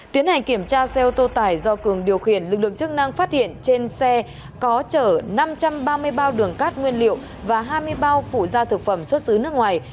tiến hành kiểm tra xe ô tô tải do cường điều khiển lực lượng chức năng phát hiện trên xe có chở năm trăm ba mươi bao đường cát nguyên liệu và hai mươi bao phụ gia thực phẩm xuất xứ nước ngoài